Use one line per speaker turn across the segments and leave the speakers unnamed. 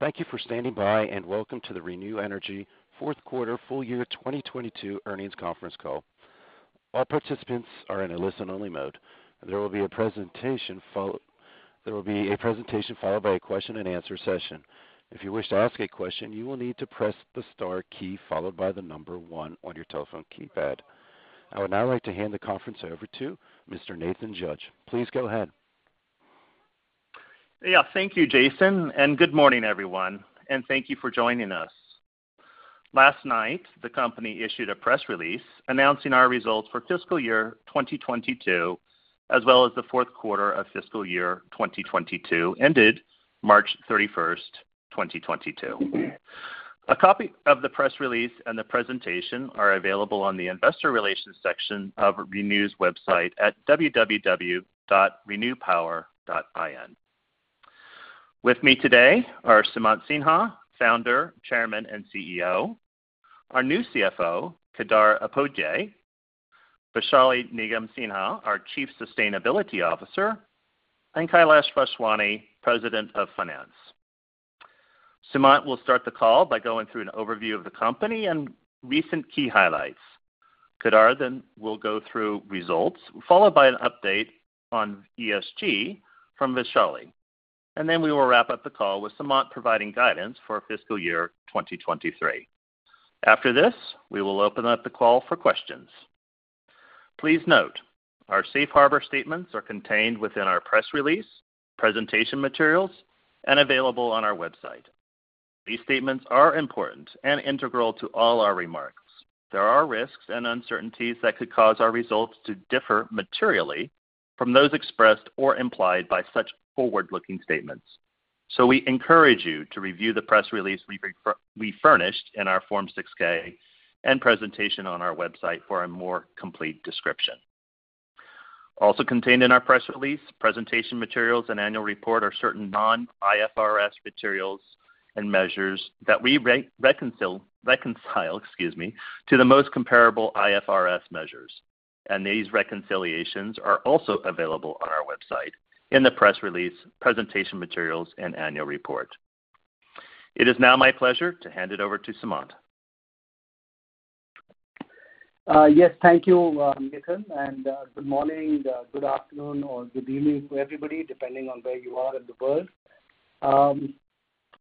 Thank you for standing by, and welcome to the ReNew Energy Global fourth quarter full year 2022 earnings conference call. All participants are in a listen-only mode. There will be a presentation followed by a question-and-answer session. If you wish to ask a question, you will need to press the star key followed by the number one on your telephone keypad. I would now like to hand the conference over to Mr. Nathan Judge. Please go ahead.
Yeah. Thank you, Jason, and good morning everyone, and thank you for joining us. Last night, the company issued a press release announcing our results for fiscal year 2022, as well as the fourth quarter of fiscal year 2022, ended March 31st, 2022. A copy of the press release and the presentation are available on the Investor Relations section of ReNew's website at www.renewpower.in. With me today are Sumant Sinha, Founder, Chairman, and CEO. Our new CFO, Kedar Upadhye, Vaishali Nigam Sinha, our Chief Sustainability Officer, and Kailash Vaswani, President of Finance. Sumant will start the call by going through an overview of the company and recent key highlights. Kedar then will go through results, followed by an update on ESG from Vaishali. We will wrap up the call with Sumant providing guidance for fiscal year 2023. After this, we will open up the call for questions. Please note, our safe harbor statements are contained within our press release, presentation materials, and available on our website. These statements are important and integral to all our remarks. There are risks and uncertainties that could cause our results to differ materially from those expressed or implied by such forward-looking statements. We encourage you to review the press release we furnished in our Form 6-K and presentation on our website for a more complete description. Also contained in our press release, presentation materials and annual report are certain non-IFRS materials and measures reconcile to the most comparable IFRS measures, and these reconciliations are also available on our website in the press release, presentation materials, and annual report. It is now my pleasure to hand it over to Sumant.
Yes, thank you, Nathan, and good morning, good afternoon or good evening to everybody, depending on where you are in the world.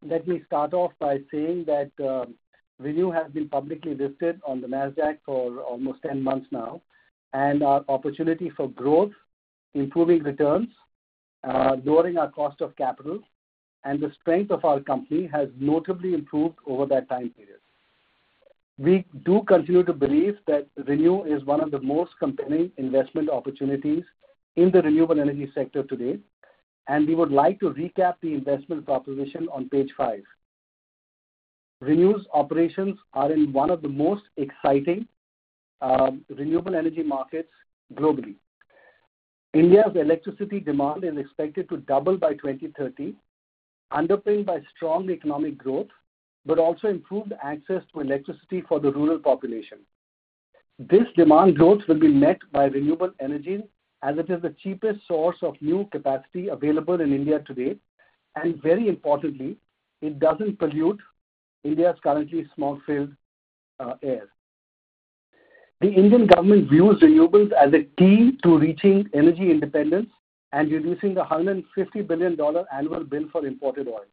Let me start off by saying that ReNew has been publicly listed on the Nasdaq for almost 10 months now, and our opportunity for growth, improving returns, lowering our cost of capital, and the strength of our company has notably improved over that time period. We do continue to believe that ReNew is one of the most compelling investment opportunities in the renewable energy sector today, and we would like to recap the investment proposition on page five. ReNew's operations are in one of the most exciting renewable energy markets globally. India's electricity demand is expected to double by 2030, underpinned by strong economic growth, but also improved access to electricity for the rural population. This demand growth will be met by renewable energy, as it is the cheapest source of new capacity available in India today, and very importantly, it doesn't pollute India's currently smog-filled air. The Indian government views renewables as a key to reaching energy independence and reducing the $150 billion annual bill for imported oil.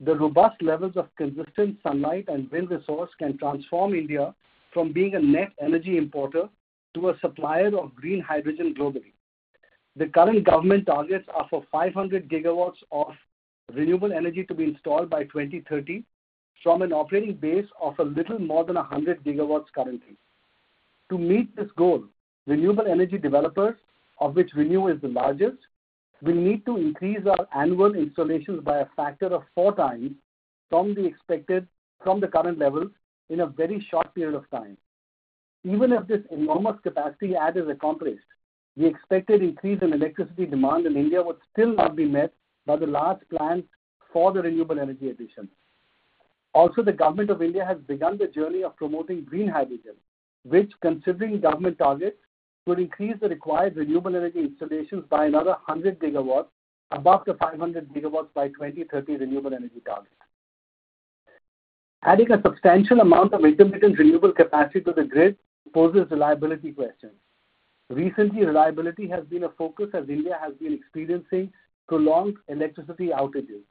The robust levels of consistent sunlight and wind resource can transform India from being a net energy importer to a supplier of green hydrogen globally. The current government targets are for 500 GW of renewable energy to be installed by 2030 from an operating base of a little more than 100 GW currently. To meet this goal, renewable energy developers, of which ReNew is the largest, will need to increase our annual installations by a factor of 4x from the current levels in a very short period of time. Even if this enormous capacity add is accomplished, the expected increase in electricity demand in India would still not be met by the large plans for the renewable energy addition. The Government of India has begun the journey of promoting green hydrogen, which considering government targets, would increase the required renewable energy installations by another 100 GW above the 500 GW by 2030 renewable energy target. Adding a substantial amount of intermittent renewable capacity to the grid poses reliability questions. Recently, reliability has been a focus as India has been experiencing prolonged electricity outages.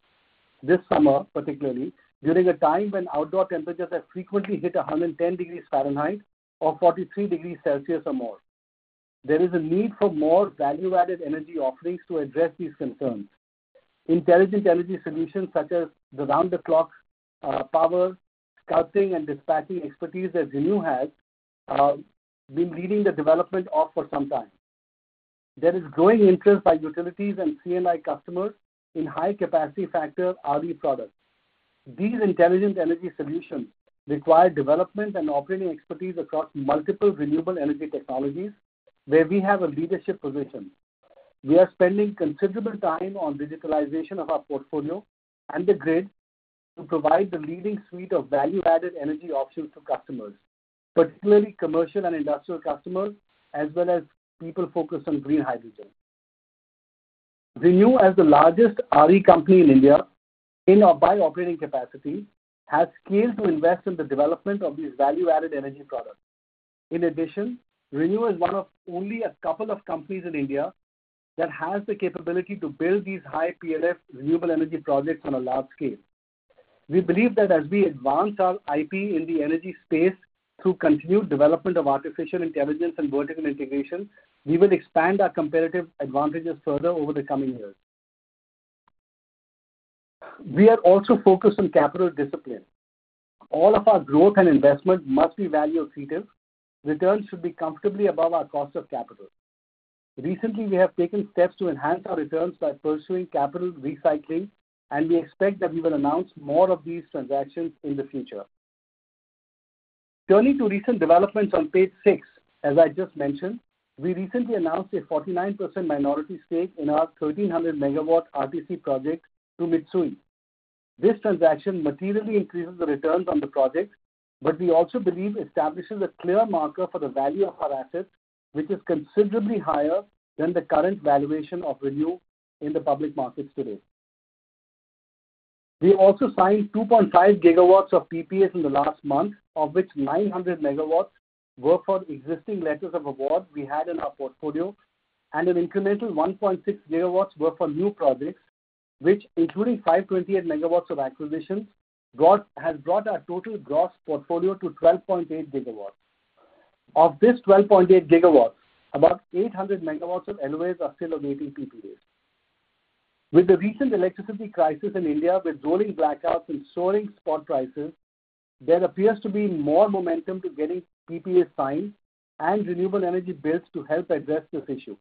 This summer, particularly, during a time when outdoor temperatures have frequently hit 110 degrees Fahrenheit or 43 degrees Celsius or more. There is a need for more value-added energy offerings to address these concerns. Intelligent energy solutions such as the round the clock power sculpting and dispatching expertise that ReNew has been leading the development of for some time. There is growing interest by utilities and C&I customers in high capacity factor RE products. These intelligent energy solutions require development and operating expertise across multiple renewable energy technologies where we have a leadership position. We are spending considerable time on digitalization of our portfolio and the grid to provide the leading suite of value-added energy options to customers, particularly commercial and industrial customers, as well as people focused on green hydrogen. ReNew, as the largest RE company in India by operating capacity, has scaled to invest in the development of these value-added energy products. In addition, ReNew is one of only a couple of companies in India that has the capability to build these high PLF renewable energy projects on a large scale. We believe that as we advance our IP in the energy space through continued development of artificial intelligence and vertical integration, we will expand our competitive advantages further over the coming years. We are also focused on capital discipline. All of our growth and investment must be value accretive. Returns should be comfortably above our cost of capital. Recently, we have taken steps to enhance our returns by pursuing capital recycling, and we expect that we will announce more of these transactions in the future. Turning to recent developments on page six, as I just mentioned, we recently announced a 49% minority stake in our 1,300-MW RTC project to Mitsui. This transaction materially increases the returns on the project, but we also believe establishes a clear marker for the value of our assets, which is considerably higher than the current valuation of ReNew in the public markets today. We also signed 2.5 GW of PPAs in the last month, of which 900 MW were for existing letters of award we had in our portfolio, and an incremental 1.6 GW were for new projects, which including 528 MW of acquisitions, has brought our total gross portfolio to 12.8 GW. Of this 12.8 GW, about 800 MW of LOIs are still awaiting PPAs. With the recent electricity crisis in India, with rolling blackouts and soaring spot prices, there appears to be more momentum to getting PPAs signed and renewable energy builds to help address this issue.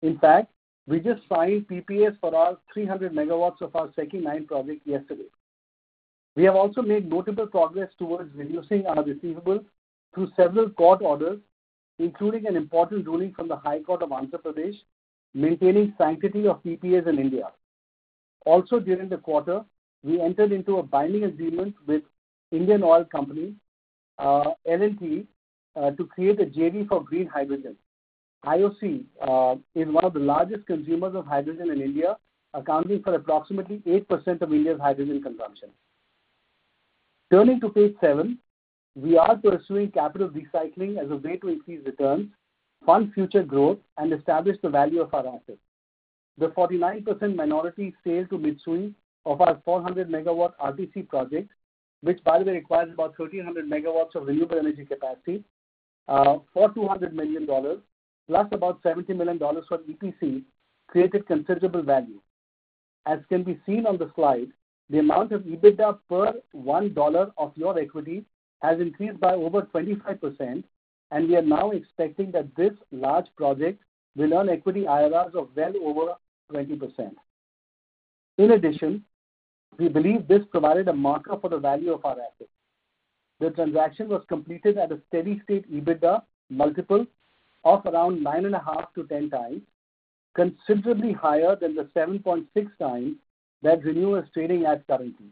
In fact, we just signed PPAs for our 300 MW of our second wind project yesterday. We have also made notable progress towards reducing our receivables through several court orders, including an important ruling from the High Court of Andhra Pradesh, maintaining sanctity of PPAs in India. During the quarter, we entered into a binding agreement with Indian Oil Corporation to create a JV for green hydrogen. IOC is one of the largest consumers of hydrogen in India, accounting for approximately 8% of India's hydrogen consumption. Turning to page seven, we are pursuing capital recycling as a way to increase returns, fund future growth, and establish the value of our assets. The 49% minority sale to Mitsui of our 400 MW RTC project, which by the way requires about 1,300 MW of renewable energy capacity, for $200 million, plus about $70 million for EPC, created considerable value. As can be seen on the slide, the amount of EBITDA per $1 of your equity has increased by over 25%, and we are now expecting that this large project will earn equity IRRs of well over 20%. In addition, we believe this provided a marker for the value of our assets. The transaction was completed at a steady-state EBITDA multiple of around 9.5x-10x, considerably higher than the 7.6x that ReNew is trading at currently.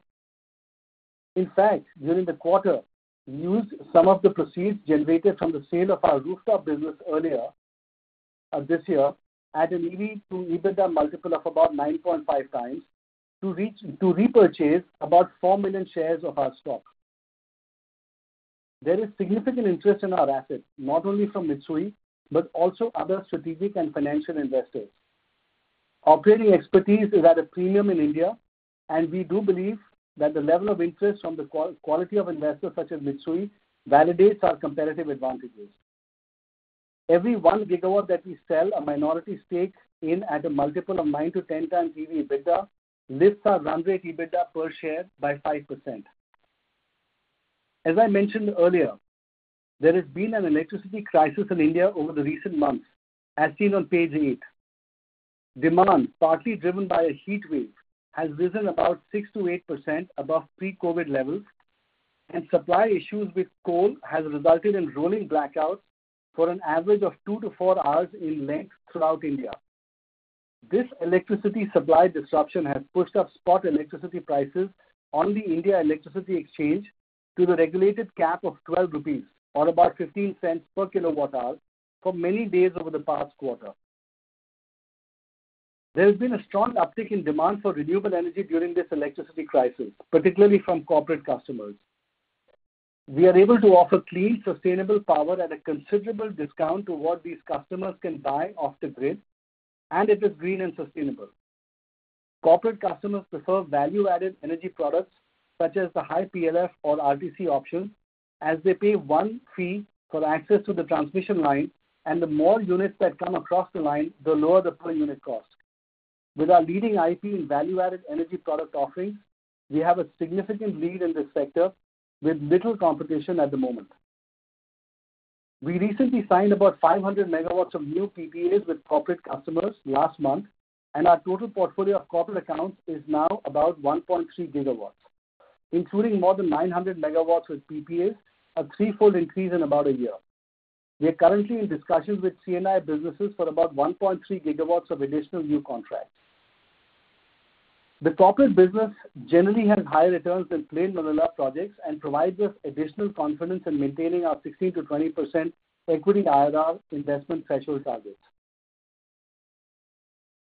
In fact, during the quarter, we used some of the proceeds generated from the sale of our rooftop business earlier this year at an EV/EBITDA multiple of about 9.5x to repurchase about 4 million shares of our stock. There is significant interest in our assets, not only from Mitsui, but also other strategic and financial investors. Operating expertise is at a premium in India, and we do believe that the level of interest from the quality of investors such as Mitsui validates our competitive advantages. Every 1 GW that we sell a minority stake in at a multiple of 9x-10x EV/EBITDA lifts our run rate EBITDA per share by 5%. As I mentioned earlier, there has been an electricity crisis in India over the recent months, as seen on page eight. Demand, partly driven by a heatwave, has risen about 6%-8% above pre-COVID levels. Supply issues with coal has resulted in rolling blackouts for an average of 2-4 hours in length throughout India. This electricity supply disruption has pushed up spot electricity prices on the Indian Energy Exchange to the regulated cap of 12 rupees or about 0.15/kWh for many days over the past quarter. There has been a strong uptick in demand for renewable energy during this electricity crisis, particularly from corporate customers. We are able to offer clean, sustainable power at a considerable discount to what these customers can buy off the grid, and it is green and sustainable. Corporate customers prefer value-added energy products such as the high PLF or RTC options as they pay one fee for access to the transmission line and the more units that come across the line, the lower the per unit cost. With our leading IP in value-added energy product offerings, we have a significant lead in this sector with little competition at the moment. We recently signed about 500 MW of new PPAs with corporate customers last month, and our total portfolio of corporate accounts is now about 1.3 GW, including more than 900 MW with PPAs, a threefold increase in about a year. We are currently in discussions with C&I businesses for about 1.3 GW of additional new contracts. The corporate business generally has higher returns than plain vanilla projects and provides us additional confidence in maintaining our 16%-20% equity IRR investment threshold targets.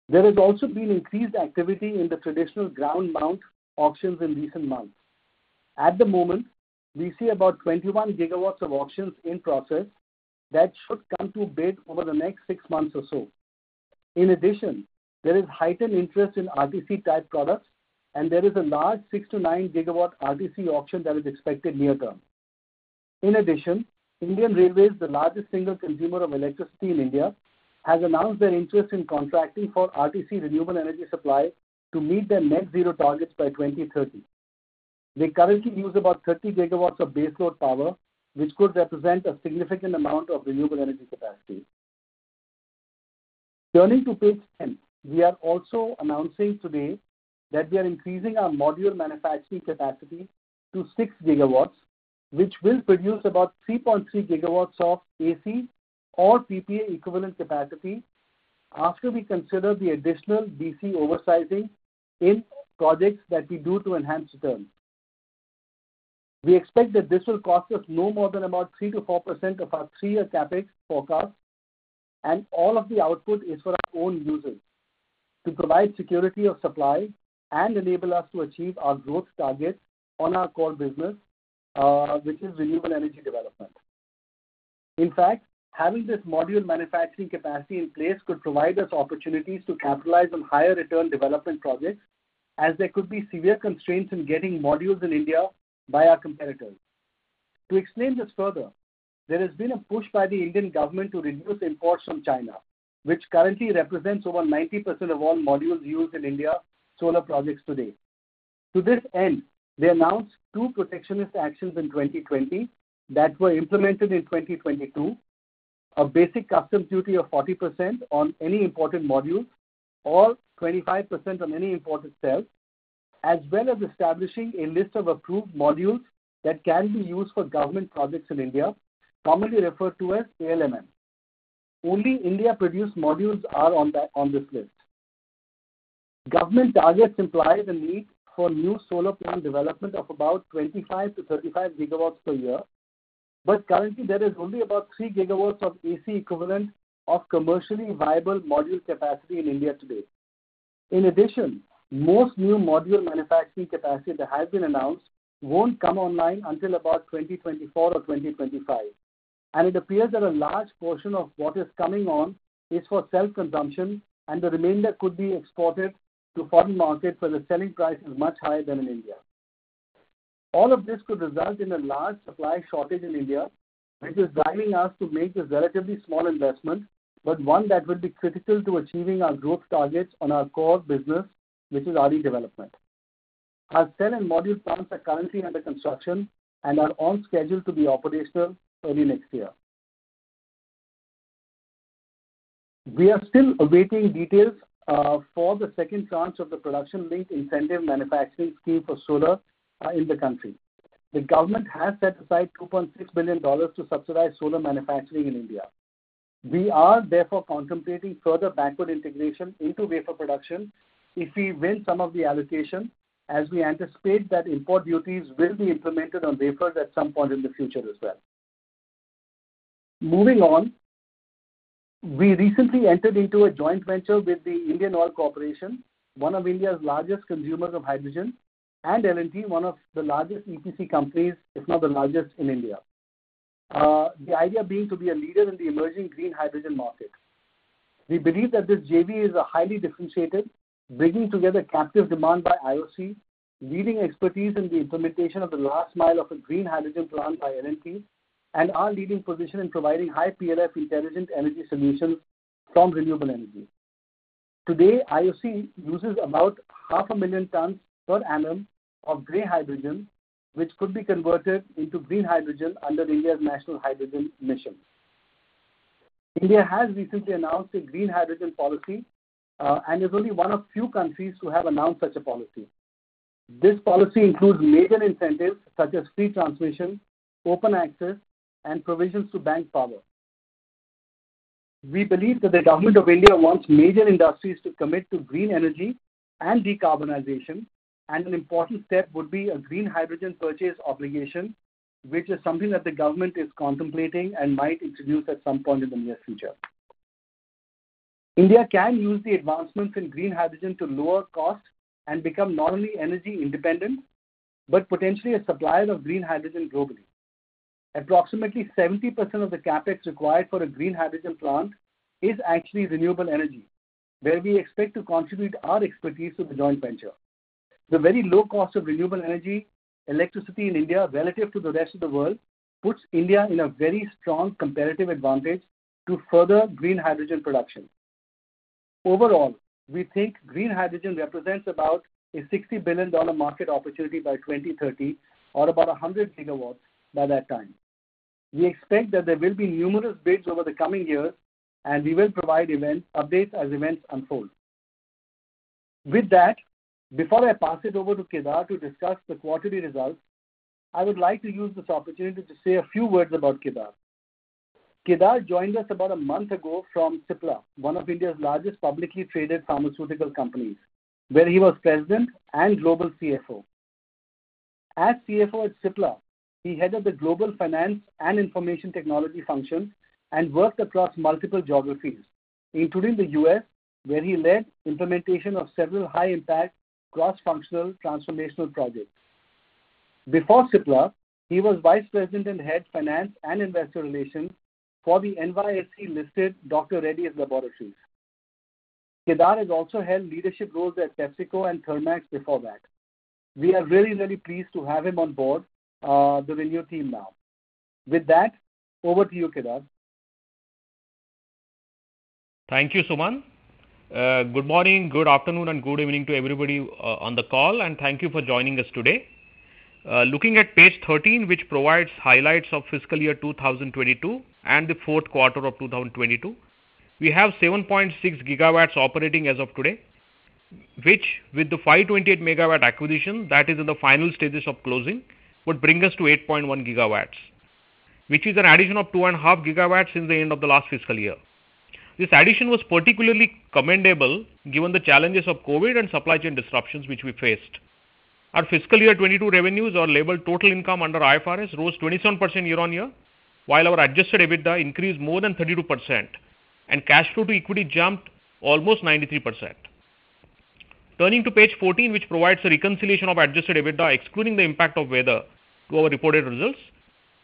There has also been increased activity in the traditional ground mount auctions in recent months. At the moment, we see about 21 GW of auctions in process that should come to bid over the next six months or so. There is heightened interest in RTC type products, and there is a large 6 GW-9 GW RTC auction that is expected near term. Indian Railways, the largest single consumer of electricity in India, has announced their interest in contracting for RTC renewable energy supply to meet their net zero targets by 2030. They currently use about 30 GW of baseload power, which could represent a significant amount of renewable energy capacity. Turning to page 10, we are also announcing today that we are increasing our module manufacturing capacity to 6 GW, which will produce about 3.3 GW of AC or PPA equivalent capacity after we consider the additional DC oversizing in projects that we do to enhance returns. We expect that this will cost us no more than about 3%-4% of our three-year CapEx forecast, and all of the output is for our own usage, to provide security of supply and enable us to achieve our growth targets on our core business, which is renewable energy development. In fact, having this module manufacturing capacity in place could provide us opportunities to capitalize on higher return development projects, as there could be severe constraints in getting modules in India by our competitors. To explain this further, there has been a push by the Indian government to reduce imports from China, which currently represents over 90% of all modules used in Indian solar projects today. To this end, they announced two protectionist actions in 2020 that were implemented in 2022. A Basic Customs Duty of 40% on any imported module or 25% on any imported cell, as well as establishing a list of approved modules that can be used for government projects in India, commonly referred to as ALMM. Only India-produced modules are on this list. Government targets imply the need for new solar plant development of about 25 GW-35 GW per year. Currently, there is only about 3 GW of AC equivalent of commercially viable module capacity in India today. In addition, most new module manufacturing capacity that has been announced won't come online until about 2024 or 2025. It appears that a large portion of what is coming online is for self-consumption, and the remainder could be exported to foreign markets, where the selling price is much higher than in India. All of this could result in a large supply shortage in India, which is driving us to make this relatively small investment, but one that will be critical to achieving our growth targets on our core business, which is RE development. Our cell and module plants are currently under construction and are on schedule to be operational early next year. We are still awaiting details for the second tranche of the Production-Linked Incentive manufacturing scheme for solar in the country. The government has set aside $2.6 billion to subsidize solar manufacturing in India. We are therefore contemplating further backward integration into wafer production if we win some of the allocation, as we anticipate that import duties will be implemented on wafers at some point in the future as well. Moving on, we recently entered into a joint venture with the Indian Oil Corporation, one of India's largest consumers of hydrogen, and L&T, one of the largest EPC companies, if not the largest in India. The idea being to be a leader in the emerging green hydrogen market. We believe that this JV is highly differentiated, bringing together captive demand by IOC, leading expertise in the implementation of the last mile of a green hydrogen plant by L&T, and our leading position in providing high PLF intelligent energy solutions from renewable energy. Today, IOC uses about half a million tons per annum of gray hydrogen, which could be converted into green hydrogen under India's National Green Hydrogen Mission. India has recently announced a green hydrogen policy and is only one of few countries to have announced such a policy. This policy includes major incentives such as free transmission, open access, and provisions to bank power. We believe that the Government of India wants major industries to commit to green energy and decarbonization, and an important step would be a Green Hydrogen Purchase Obligation, which is something that the government is contemplating and might introduce at some point in the near future. India can use the advancements in green hydrogen to lower costs and become not only energy independent, but potentially a supplier of green hydrogen globally. Approximately 70% of the CapEx required for a green hydrogen plant is actually renewable energy, where we expect to contribute our expertise to the joint venture. The very low cost of renewable energy electricity in India relative to the rest of the world, puts India in a very strong competitive advantage to further green hydrogen production. Overall, we think green hydrogen represents about a $60 billion market opportunity by 2030 or about 100 GW by that time. We expect that there will be numerous bids over the coming years, and we will provide event updates as events unfold. With that, before I pass it over to Kedar to discuss the quarterly results, I would like to use this opportunity to say a few words about Kedar. Kedar joined us about a month ago from Cipla, one of India's largest publicly traded pharmaceutical companies, where he was President and Global CFO. As CFO at Cipla, he headed the global finance and information technology function and worked across multiple geographies, including the US, where he led implementation of several high-impact cross-functional transformational projects. Before Cipla, he was Vice President and Head Finance and Investor Relations for the NYSE-listed Dr. Reddy's Laboratories. Kedar has also held leadership roles at PepsiCo and Thermax before that. We are very, very pleased to have him on board the ReNew team now. With that, over to you, Kedar.
Thank you, Sumant. Good morning, good afternoon, and good evening to everybody on the call, and thank you for joining us today. Looking at page 13, which provides highlights of fiscal year 2022 and the fourth quarter of 2022. We have 7.6 GW operating as of today, which, with the 528-MW acquisition that is in the final stages of closing, would bring us to 8.1 GW. Which is an addition of 2.5 GW since the end of the last fiscal year. This addition was particularly commendable given the challenges of COVID and supply chain disruptions, which we faced. Our fiscal year 2022 revenues, are labeled total income under IFRS, rose 27% year-on-year, while our Adjusted EBITDA increased more than 32%, and cash flow to equity jumped almost 93%. Turning to page 14, which provides a reconciliation of Adjusted EBITDA, excluding the impact of weather to our reported results.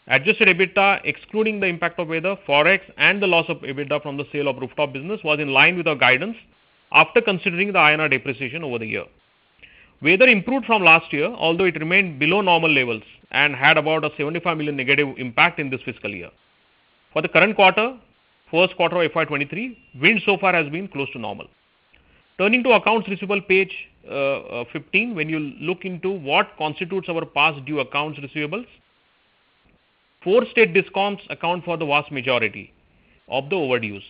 Adjusted EBITDA, excluding the impact of weather, Forex, and the loss of EBITDA from the sale of rooftop business, was in line with our guidance after considering the INR depreciation over the year. Weather improved from last year, although it remained below normal levels and had about 75 million negative impact in this fiscal year. For the current quarter, first quarter of FY 2023, wind so far has been close to normal. Turning to accounts receivable, page 15. When you look into what constitutes our past due accounts receivables, 4 state DISCOMs account for the vast majority of the overdues.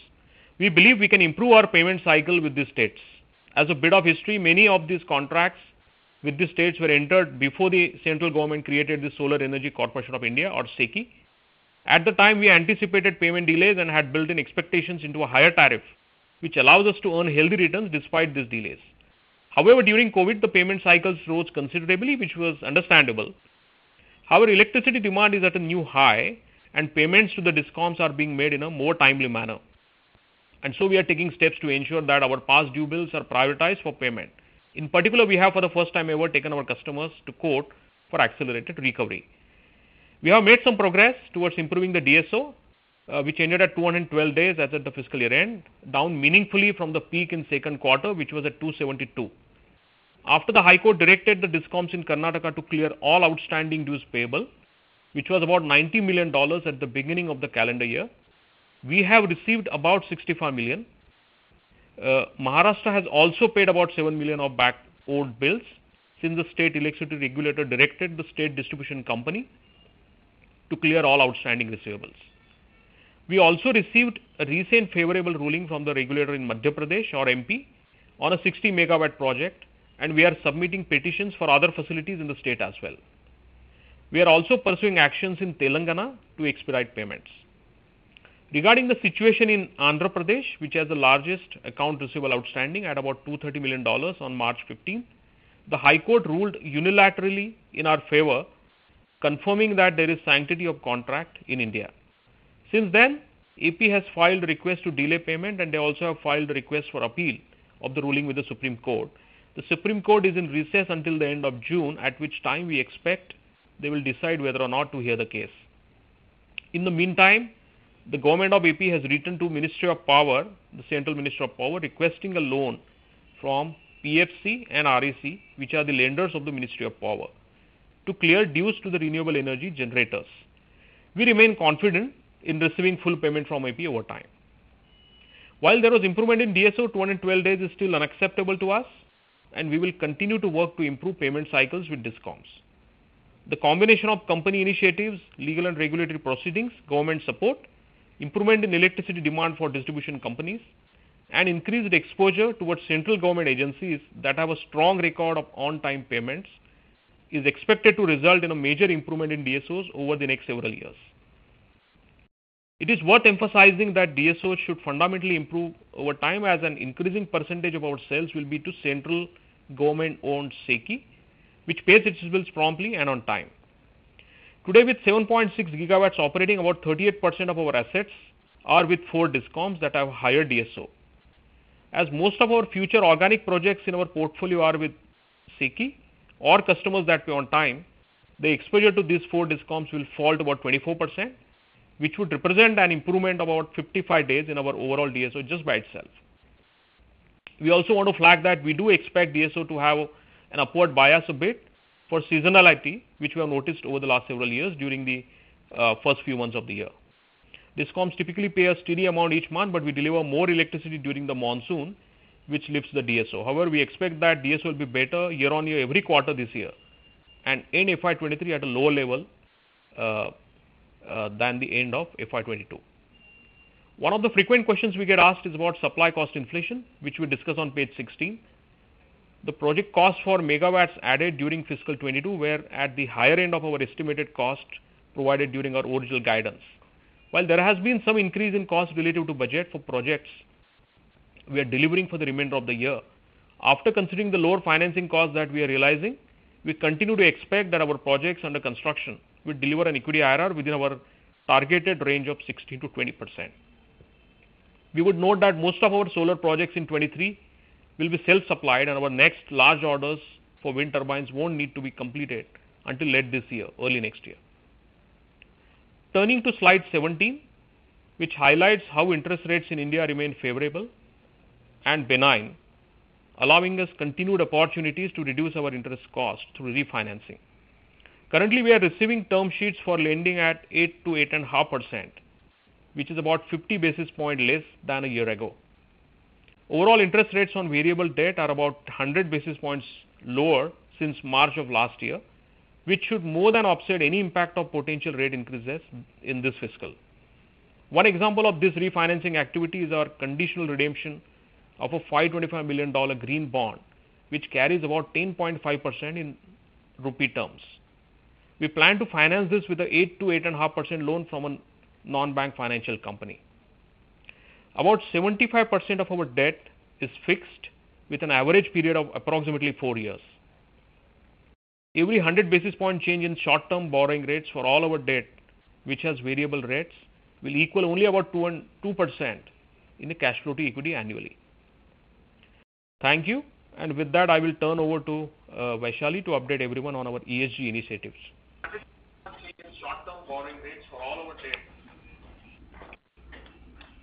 We believe we can improve our payment cycle with these states. As a bit of history, many of these contracts with the states were entered before the central government created the Solar Energy Corporation of India or SECI. At the time, we anticipated payment delays and had built in expectations into a higher tariff, which allows us to earn healthy returns despite these delays. However, during COVID, the payment cycles rose considerably, which was understandable. However, electricity demand is at a new high, and payments to the DISCOMs are being made in a more timely manner. We are taking steps to ensure that our past due bills are prioritized for payment. In particular, we have, for the first time ever, taken our customers to court for accelerated recovery. We have made some progress towards improving the DSO, which ended at 212 days as at the fiscal year-end, down meaningfully from the peak in second quarter, which was at 272. After the High Court directed the DISCOMs in Karnataka to clear all outstanding dues payable, which was about $90 million at the beginning of the calendar year, we have received about $65 million. Maharashtra has also paid about $7 million of backlog of old bills since the state electricity regulator directed the state distribution company to clear all outstanding receivables. We also received a recent favorable ruling from the regulator in Madhya Pradesh, or MP, on a 60 MW project, and we are submitting petitions for other facilities in the state as well. We are also pursuing actions in Telangana to expedite payments. Regarding the situation in Andhra Pradesh, which has the largest account receivable outstanding at about $230 million on March 15th, 2022. The High Court ruled unilaterally in our favor, confirming that there is sanctity of contract in India. Since then, AP has filed a request to delay payment, and they also have filed a request for appeal of the ruling with the Supreme Court. The Supreme Court is in recess until the end of June, at which time we expect they will decide whether or not to hear the case. In the meantime, the government of AP has written to Ministry of Power, the Central Ministry of Power, requesting a loan from PFC and REC, which are the lenders of the Ministry of Power, to clear dues to the renewable energy generators. We remain confident in receiving full payment from AP over time. While there was improvement in DSO, 212 days is still unacceptable to us, and we will continue to work to improve payment cycles with DISCOMs. The combination of company initiatives, legal and regulatory proceedings, government support, improvement in electricity demand for distribution companies, and increased exposure towards central government agencies that have a strong record of on-time payments, is expected to result in a major improvement in DSOs over the next several years. It is worth emphasizing that DSOs should fundamentally improve over time, as an increasing percentage of our sales will be to central government-owned SECI, which pays its bills promptly and on time. Today, with 7.6 GW operating, about 38% of our assets are with four DISCOMs that have higher DSO. As most of our future organic projects in our portfolio are with SECI or customers that pay on time, the exposure to these four DISCOMs will fall to about 24%, which would represent an improvement of about 55 days in our overall DSO just by itself. We also want to flag that we do expect DSO to have an upward bias a bit for seasonality, which we have noticed over the last several years during the first few months of the year. DISCOMs typically pay a steady amount each month, but we deliver more electricity during the monsoon, which lifts the DSO. However, we expect that DSO will be better year-on-year every quarter this year and end FY 2023 at a lower level than the end of FY 2022. One of the frequent questions we get asked is about supply cost inflation, which we discuss on page 16. The project cost for megawatts added during fiscal 2022 were at the higher end of our estimated cost provided during our original guidance. While there has been some increase in costs related to budget for projects, we are delivering for the remainder of the year. After considering the lower financing costs that we are realizing, we continue to expect that our projects under construction will deliver an equity IRR within our targeted range of 60%-20%. We would note that most of our solar projects in 2023 will be self-supplied, and our next large orders for wind turbines won't need to be completed until late this year, early next year. Turning to slide 17, which highlights how interest rates in India remain favorable and benign, allowing us continued opportunities to reduce our interest costs through refinancing. Currently, we are receiving term sheets for lending at 8%-8.5%, which is about 50 basis points less than a year ago. Overall interest rates on variable debt are about 100 basis points lower since March of last year, which should more than offset any impact of potential rate increases in this fiscal. One example of this refinancing activity is our conditional redemption of a $525 million green bond, which carries about 10.5% in rupee terms. We plan to finance this with a 8%-8.5% loan from a non-bank financial company. About 75% of our debt is fixed with an average period of approximately 4 years. Every 100 basis point change in short-term borrowing rates for all our debt, which has variable rates, will equal only about 2% in the cash flow to equity annually. Thank you. With that, I will turn over to Vaishali to update everyone on our ESG initiatives.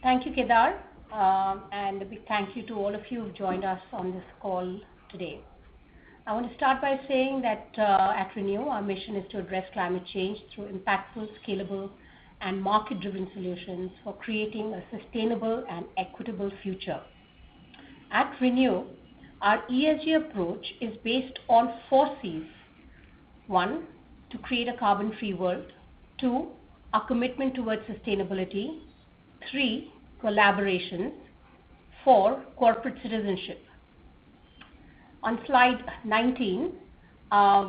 Thank you, Kedar. And a big thank you to all of you who've joined us on this call today. I want to start by saying that, at ReNew, our mission is to address climate change through impactful, scalable, and market-driven solutions for creating a sustainable and equitable future. At ReNew, our ESG approach is based on four Cs. One, to create a carbon-free world. Two, our commitment towards sustainability. Three, collaborations. Four, corporate citizenship. On slide 19,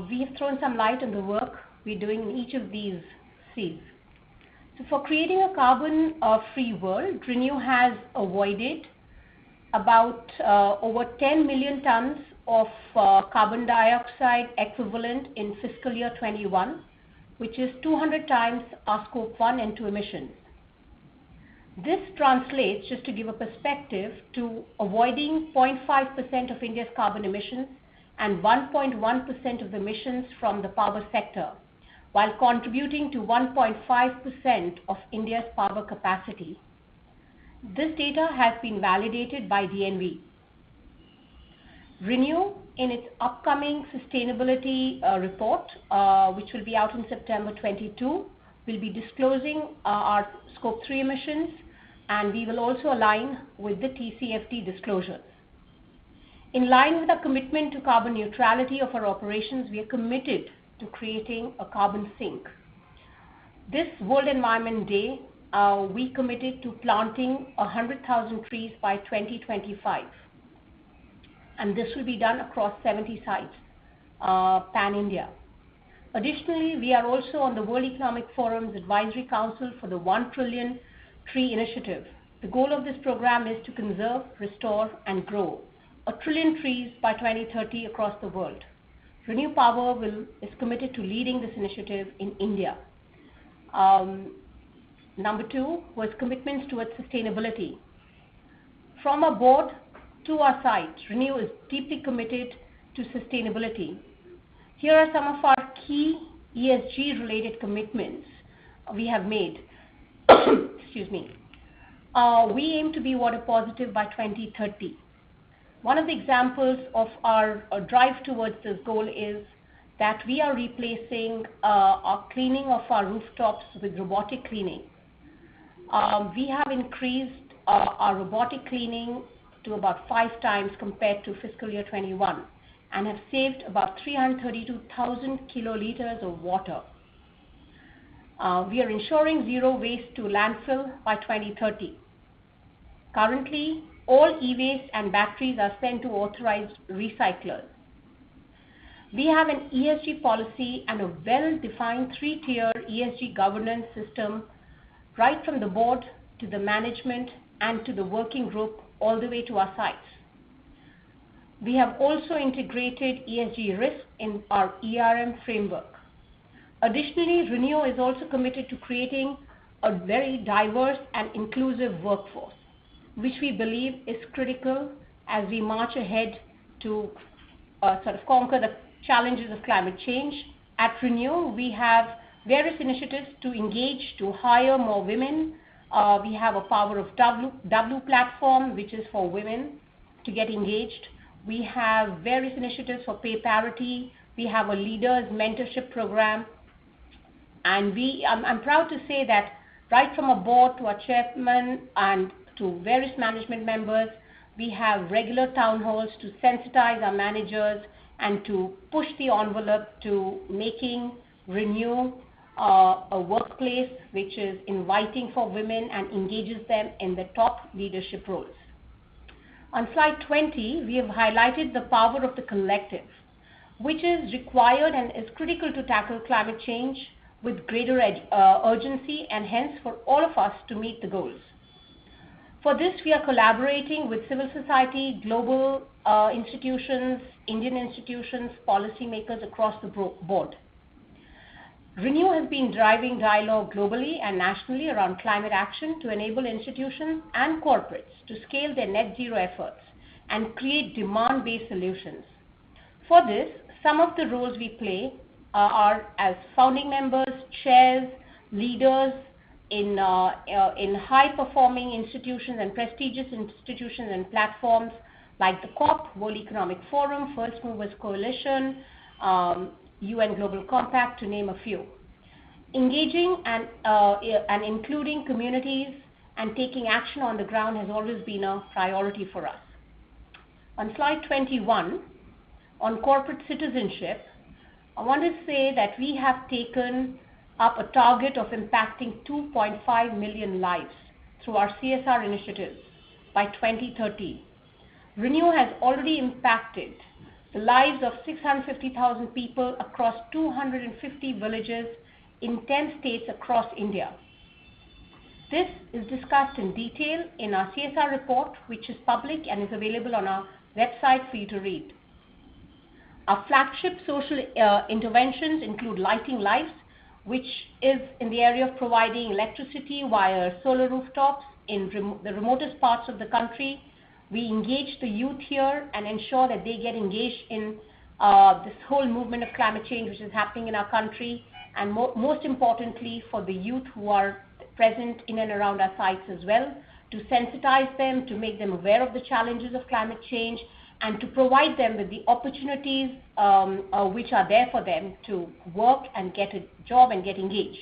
we have thrown some light on the work we're doing in each of these Cs. For creating a carbon free world, ReNew has avoided about, over 10 million tons of carbon dioxide equivalent in fiscal year 2021, which is 200x our scope one and two emissions. This translates, just to give a perspective, to avoiding 0.5% of India's carbon emissions and 1.1% of emissions from the power sector, while contributing to 1.5% of India's power capacity. This data has been validated by DNV. ReNew, in its upcoming sustainability report, which will be out in September 2022, will be disclosing our scope three emissions, and we will also align with the TCFD disclosures. In line with our commitment to carbon neutrality of our operations, we are committed to creating a carbon sink. This World Environment Day, we committed to planting 100,000 trees by 2025, and this will be done across 70 sites, pan-India. Additionally, we are also on the World Economic Forum's Advisory Council for the One Trillion Trees Initiative. The goal of this program is to conserve, restore, and grow a trillion trees by 2030 across the world. ReNew Power is committed to leading this initiative in India. Number two was commitments towards sustainability. From our board to our sites, ReNew is deeply committed to sustainability. Here are some of our key ESG-related commitments we have made. We aim to be water positive by 2030. One of the examples of our drive towards this goal is that we are replacing our cleaning of our rooftops with robotic cleaning. We have increased our robotic cleaning to about 5x compared to fiscal year 2021 and have saved about 332,000 kiloliters of water. We are ensuring zero waste to landfill by 2030. Currently, all e-waste and batteries are sent to authorized recyclers. We have an ESG policy and a well-defined three-tier ESG governance system, right from the board to the management and to the working group, all the way to our sites. We have also integrated ESG risks in our ERM framework. Additionally, ReNew is also committed to creating a very diverse and inclusive workforce, which we believe is critical as we march ahead to sort of conquer the challenges of climate change. At ReNew, we have various initiatives to engage to hire more women. We have a Power of W platform, which is for women to get engaged. We have various initiatives for pay parity. We have a leaders mentorship program. I'm proud to say that right from our board to our chairman and to various management members, we have regular town halls to sensitize our managers and to push the envelope to making ReNew, a workplace which is inviting for women and engages them in the top leadership roles. On slide 20, we have highlighted the power of the collective, which is required and is critical to tackle climate change with greater urgency, and hence for all of us to meet the goals. For this, we are collaborating with civil society, global institutions, Indian institutions, policymakers across the board. ReNew has been driving dialogue globally and nationally around climate action to enable institutions and corporates to scale their net zero efforts and create demand-based solutions. For this, some of the roles we play are as founding members, chairs, leaders in high-performing institutions and prestigious institutions and platforms like the COP, World Economic Forum, First Movers Coalition, UN Global Compact, to name a few. Engaging and including communities and taking action on the ground has always been a priority for us. On slide 21, on corporate citizenship, I want to say that we have taken up a target of impacting 2.5 million lives through our CSR initiatives by 2030. ReNew has already impacted the lives of 650,000 people across 250 villages in 10 states across India. This is discussed in detail in our CSR report, which is public and is available on our website for you to read. Our flagship social interventions include Lighting Lives, which is in the area of providing electricity via solar rooftops in the remotest parts of the country. We engage the youth here and ensure that they get engaged in this whole movement of climate change which is happening in our country. Most importantly, for the youth who are present in and around our sites as well, to sensitize them, to make them aware of the challenges of climate change, and to provide them with the opportunities which are there for them to work and get a job and get engaged.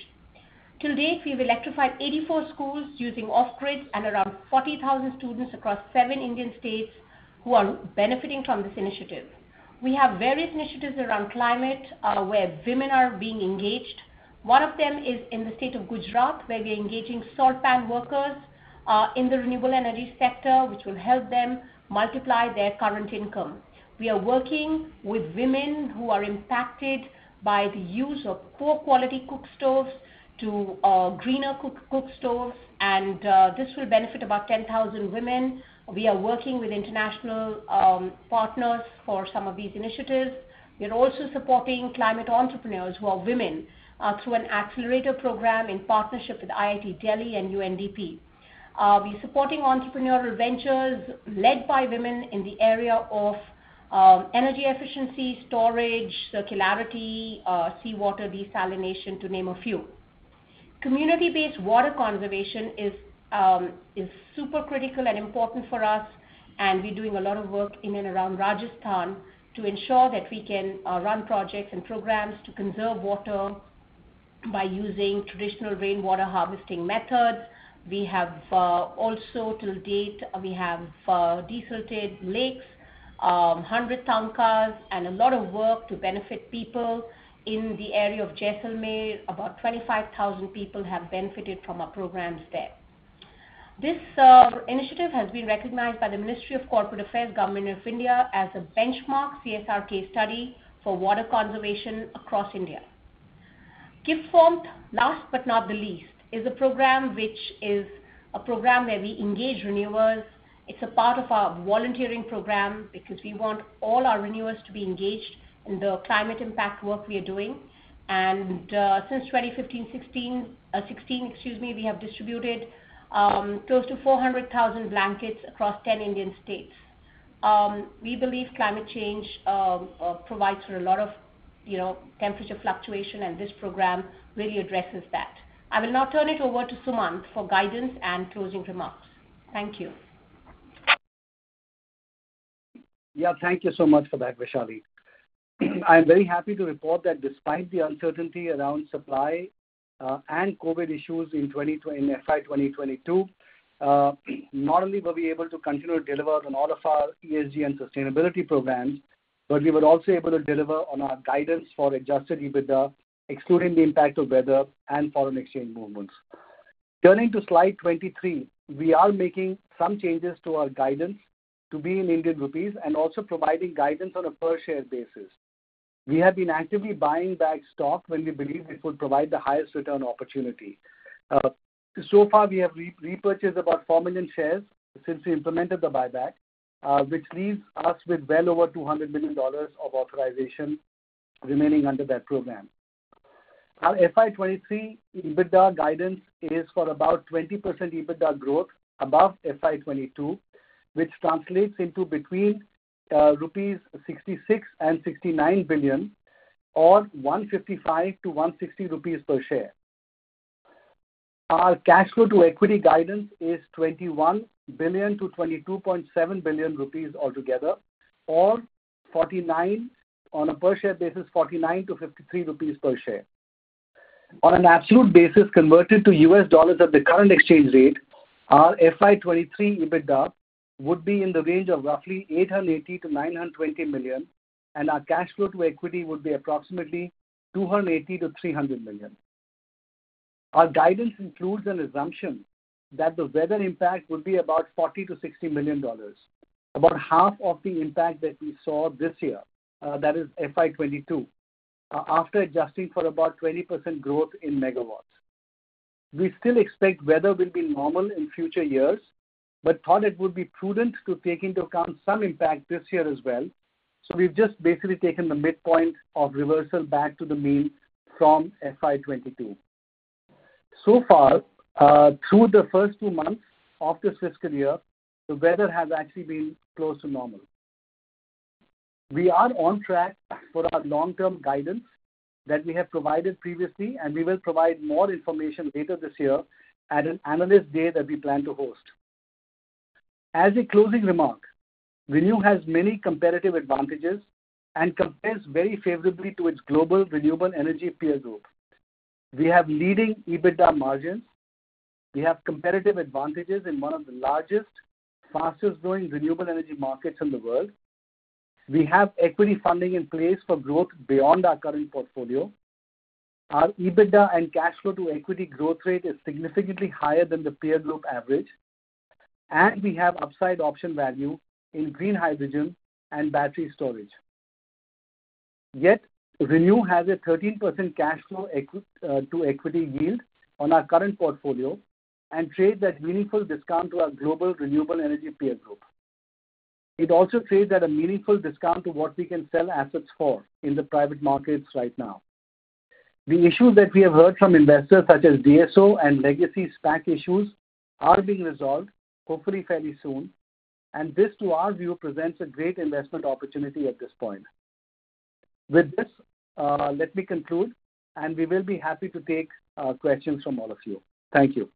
To date, we've electrified 84 schools using off-grids and around 40,000 students across seven Indian states who are benefiting from this initiative. We have various initiatives around climate where women are being engaged. One of them is in the state of Gujarat, where we are engaging salt pan workers in the renewable energy sector, which will help them multiply their current income. We are working with women who are impacted by the use of poor quality cook stoves to greener cook stoves, and this will benefit about 10,000 women. We are working with international partners for some of these initiatives. We are also supporting climate entrepreneurs who are women through an accelerator program in partnership with IIT Delhi and UNDP. We're supporting entrepreneurial ventures led by women in the area of energy efficiency, storage, circularity, seawater desalination, to name a few. Community-based water conservation is super critical and important for us, and we're doing a lot of work in and around Rajasthan to ensure that we can run projects and programs to conserve water by using traditional rainwater harvesting methods. We have also to date desilted lakes, 100 tankas, and a lot of work to benefit people in the area of Jaisalmer. About 25,000 people have benefited from our programs there. This initiative has been recognized by the Ministry of Corporate Affairs, Government of India, as a benchmark CSR case study for water conservation across India. Gift Warmth, last but not the least, is a program where we engage ReNewers. It's a part of our volunteering program because we want all our ReNewers to be engaged in the climate impact work we are doing. Since 2015-16, we have distributed close to 400,000 blankets across 10 Indian states. We believe climate change provides for a lot of, you know, temperature fluctuation, and this program really addresses that. I will now turn it over to Sumant for guidance and closing remarks. Thank you.
Yeah. Thank you so much for that, Vaishali. I'm very happy to report that despite the uncertainty around supply and COVID issues in FY 2022, not only were we able to continue to deliver on all of our ESG and sustainability programs, but we were also able to deliver on our guidance for Adjusted EBITDA, excluding the impact of weather and foreign exchange movements. Turning to slide 23, we are making some changes to our guidance to be in Indian rupees and also providing guidance on a per share basis. We have been actively buying back stock when we believe it would provide the highest return opportunity. So far, we have repurchased about 4 million shares since we implemented the buyback, which leaves us with well over $200 million of authorization remaining under that program. Our FY 2023 EBITDA guidance is for about 20% EBITDA growth above FY 2022, which translates into between rupees 66 billion and 69 billion or 155-160 rupees per share. Our cash flow to equity guidance is 21 billion-22.7 billion rupees altogether, or on a per share basis, 49-53 rupees per share. On an absolute basis converted to US dollars at the current exchange rate, our FY 2023 EBITDA would be in the range of roughly $880 million-$920 million, and our cash flow to equity would be approximately $280 million-$300 million. Our guidance includes an assumption that the weather impact would be about $40-$60 million, about half of the impact that we saw this year, that is FY 2022, after adjusting for about 20% growth in megawatts. We still expect weather will be normal in future years, but thought it would be prudent to take into account some impact this year as well. We've just basically taken the midpoint of reversal back to the mean from FY 2022. So far, through the first two months of this fiscal year, the weather has actually been close to normal. We are on track for our long-term guidance that we have provided previously, and we will provide more information later this year at an analyst day that we plan to host. As a closing remark, ReNew has many competitive advantages and compares very favorably to its global renewable energy peer group. We have leading EBITDA margins. We have competitive advantages in one of the largest, fastest-growing renewable energy markets in the world. We have equity funding in place for growth beyond our current portfolio. Our EBITDA and cash flow to equity growth rate is significantly higher than the peer group average, and we have upside option value in green hydrogen and battery storage. Yet, ReNew has a 13% cash flow to equity yield on our current portfolio and trades at meaningful discount to our global renewable energy peer group. It also trades at a meaningful discount to what we can sell assets for in the private markets right now. The issues that we have heard from investors such as DSO and legacy SPAC issues are being resolved, hopefully fairly soon, and this, to our view, presents a great investment opportunity at this point. With this, let me conclude, and we will be happy to take questions from all of you. Thank you.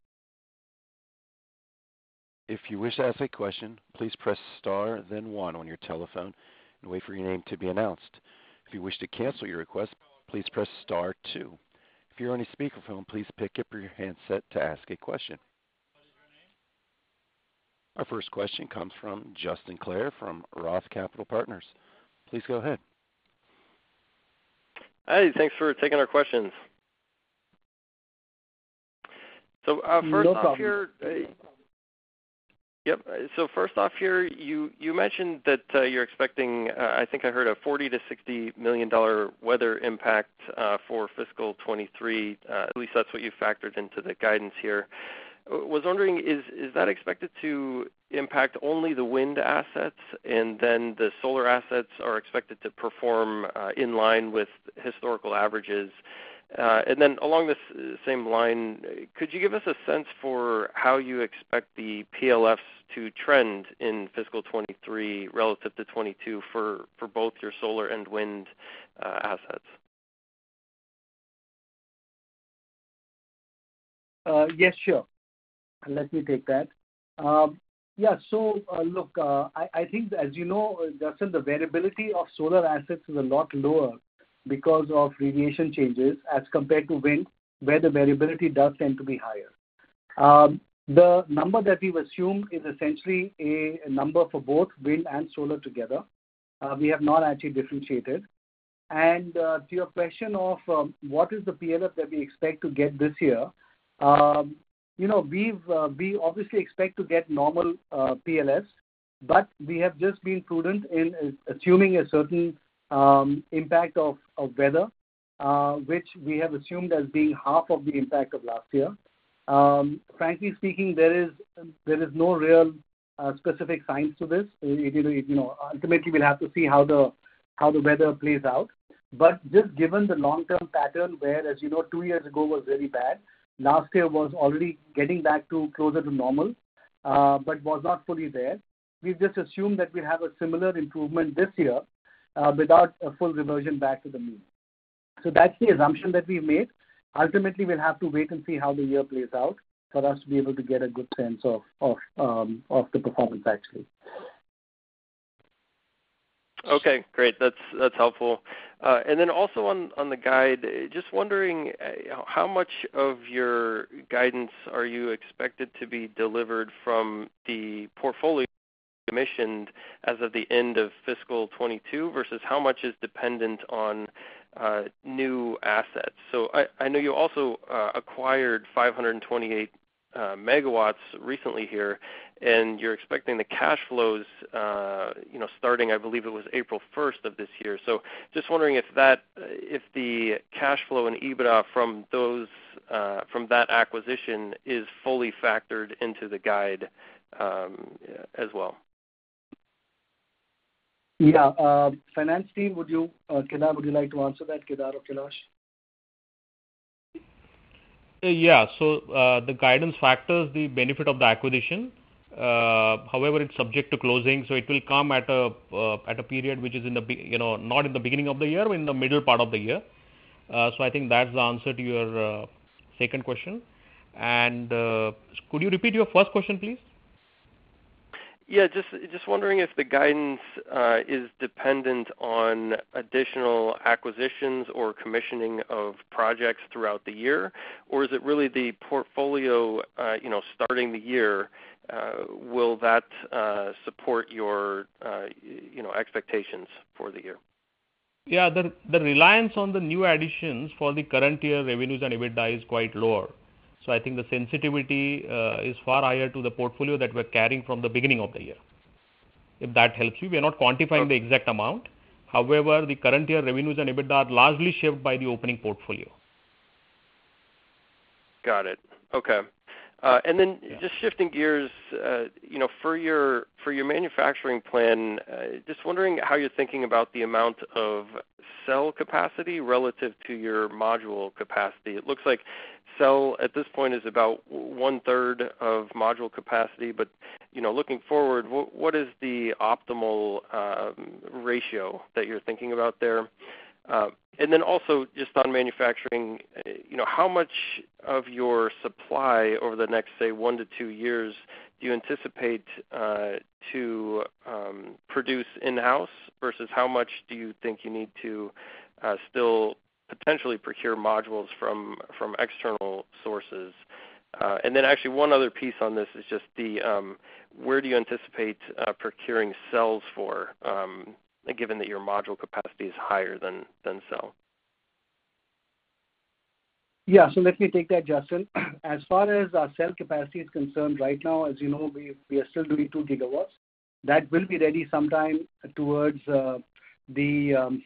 If you wish to ask a question, please press star then one on your telephone and wait for your name to be announced. If you wish to cancel your request, please press star two. If you're on a speakerphone, please pick up your handset to ask a question. Our first question comes from Justin Clare from ROTH Capital Partners. Please go ahead.
Hey, thanks for taking our questions. First off here.
No problem.
First off here, you mentioned that you're expecting, I think I heard a $40 million-$60 million weather impact for fiscal 2023. At least that's what you factored into the guidance here. Was wondering, is that expected to impact only the wind assets and then the solar assets are expected to perform in line with historical averages? Along this same line, could you give us a sense for how you expect the PLFs to trend in fiscal 2023 relative to 2022 for both your solar and wind assets?
Yes, sure. Let me take that. Yeah. Look, I think as you know, Justin Clare, the variability of solar assets is a lot lower because of radiation changes as compared to wind, where the variability does tend to be higher. The number that we've assumed is essentially a number for both wind and solar together. We have not actually differentiated. To your question of what is the PLF that we expect to get this year, you know, we obviously expect to get normal PLFs, but we have just been prudent in assuming a certain impact of weather, which we have assumed as being half of the impact of last year. Frankly speaking, there is no real specific science to this. You know, ultimately, we'll have to see how the weather plays out. Just given the long-term pattern, where, as you know, two years ago was very bad, last year was already getting back to closer to normal, but was not fully there. We've just assumed that we have a similar improvement this year, without a full reversion back to the mean. That's the assumption that we made. Ultimately, we'll have to wait and see how the year plays out for us to be able to get a good sense of the performance actually.
Okay, great. That's helpful. Then also on the guide, just wondering how much of your guidance are you expected to be delivered from the portfolio commissioned as of the end of fiscal 2022 versus how much is dependent on new assets? I know you also acquired 528 MW recently here, and you're expecting the cash flows you know starting I believe it was April 1st, 2022. Just wondering if the cash flow and EBITDA from that acquisition is fully factored into the guide as well.
Yeah. Finance team, would you, Kedar, would you like to answer that? Kedar or Kailash?
The guidance factors the benefit of the acquisition. However, it's subject to closing, so it will come at a period which is, you know, not in the beginning of the year, in the middle part of the year. I think that's the answer to your second question. Could you repeat your first question, please?
Yeah, just wondering if the guidance is dependent on additional acquisitions or commissioning of projects throughout the year. Or is it really the portfolio, you know, starting the year, will that support your, you know, expectations for the year?
Yeah. The reliance on the new additions for the current year revenues and EBITDA is quite lower. I think the sensitivity is far higher to the portfolio that we're carrying from the beginning of the year. If that helps you. We are not quantifying the exact amount. However, the current year revenues and EBITDA are largely shaped by the opening portfolio.
Got it. Okay. Just shifting gears, you know, for your manufacturing plan, just wondering how you're thinking about the amount of cell capacity relative to your module capacity. It looks like cell, at this point, is about 1/3 of module capacity. You know, looking forward, what is the optimal ratio that you're thinking about there? Also just on manufacturing, you know, how much of your supply over the next, say, one to two years do you anticipate to produce in-house versus how much do you think you need to still potentially procure modules from external sources? Actually one other piece on this is just the where do you anticipate procuring cells for given that your module capacity is higher than cell?
Yeah. Let me take that, Justin. As far as our cell capacity is concerned, right now, as you know, we are still doing 2 GW. That will be ready sometime towards the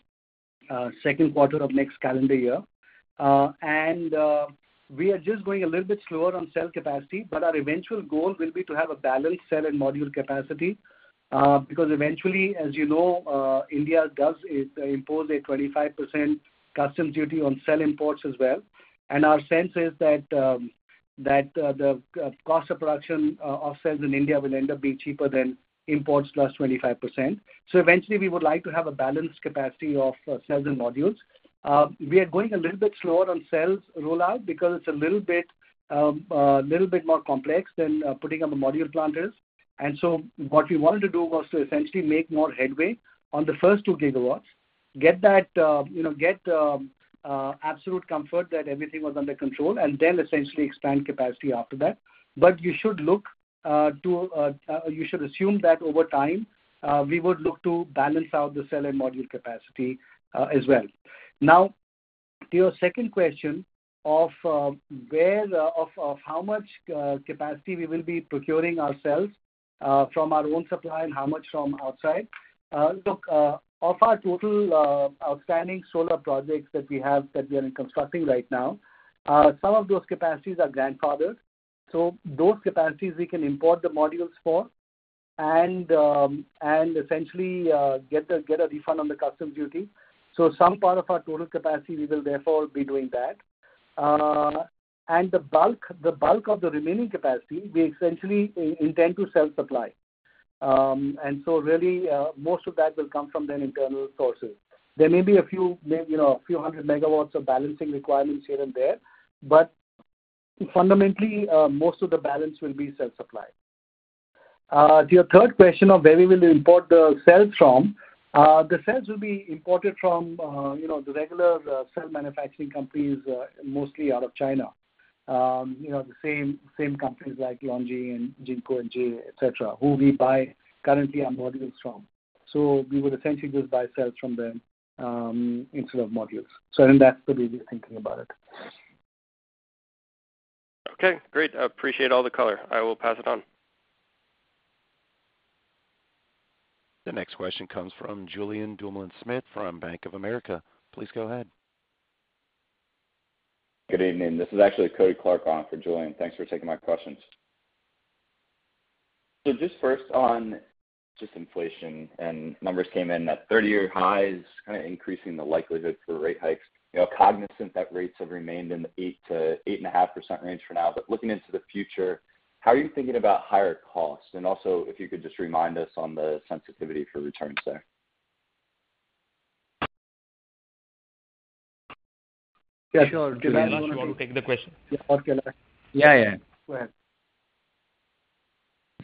second quarter of next calendar year. We are just going a little bit slower on cell capacity, but our eventual goal will be to have a balanced cell and module capacity. Because eventually, as you know, India does impose a 25% customs duty on cell imports as well. Our sense is that the cost of production of cells in India will end up being cheaper than imports plus 25%. Eventually, we would like to have a balanced capacity of cells and modules. We are going a little bit slower on cells rollout because it's a little bit more complex than putting up a module plant is. What we wanted to do was to essentially make more headway on the first 2 GW, get that, you know, get absolute comfort that everything was under control and then essentially expand capacity after that. You should assume that over time we would look to balance out the cell and module capacity as well. Now, to your second question of how much capacity we will be procuring ourselves from our own supply and how much from outside. Look, of our total outstanding solar projects that we have that we are constructing right now, some of those capacities are grandfathered, so those capacities we can import the modules for and essentially get a refund on the customs duty. Some part of our total capacity, we will therefore be doing that. The bulk of the remaining capacity, we essentially intend to self-supply. Really, most of that will come from the internal sources. There may be a few, you know, hundred megawatts of balancing requirements here and there, but fundamentally, most of the balance will be self-supplied. To your third question of where we will import the cells from, the cells will be imported from, you know, the regular, cell manufacturing companies, mostly out of China. You know, the same companies like LONGi and Jinko and JA, et cetera, who we buy currently our modules from. We would essentially just buy cells from them, instead of modules. I think that's the way we're thinking about it.
Okay, great. I appreciate all the color. I will pass it on.
The next question comes from Julien Dumoulin-Smith from Bank of America. Please go ahead.
Good evening. This is actually Cody Clark on for Julien. Thanks for taking my questions. Just first on just inflation and numbers came in at 30-year highs, kind of increasing the likelihood for rate hikes. You know, cognizant that rates have remained in the 8%-8.5% range for now. Looking into the future, how are you thinking about higher costs? And also, if you could just remind us on the sensitivity for returns there.
Yeah, sure.
Kailash, do you want to take the question?
Yeah. Okay. Yeah, yeah.
Go ahead.